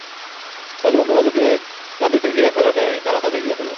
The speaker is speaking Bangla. বাজুবন্ধ বাজুকে চারদিক থেকে ঘিরে ফেলার ন্যায় তারা তাদের ঘিরে ফেলল।